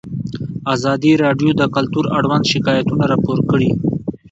ازادي راډیو د کلتور اړوند شکایتونه راپور کړي.